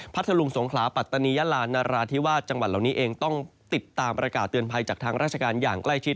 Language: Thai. ทะลุงสงขลาปัตตานียาลานราธิวาสจังหวัดเหล่านี้เองต้องติดตามประกาศเตือนภัยจากทางราชการอย่างใกล้ชิด